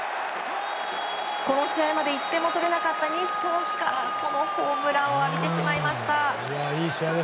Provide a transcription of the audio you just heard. この試合まで１点も取れなかった西投手からこのホームランを浴びてしまいました。